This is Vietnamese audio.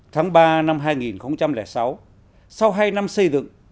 tháng ba năm hai nghìn sáu sau hai năm xây dựng